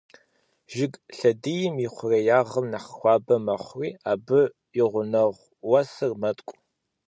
Жыг лъэдийм и хъуреягъыр нэхъ хуабэ мэхъури абы и гъунэгъу уэсыр мэткӀу.